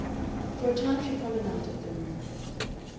For a time she promenaded the room.